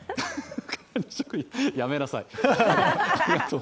やめなさい。